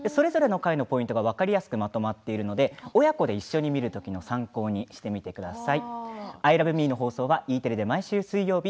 それぞれの回のポイントが分かりやすくまとまっているので親子で一緒に見る時の参考にしてみてください。